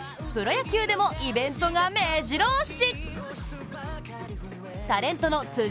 プロ野球でもイベントがめじろ押し。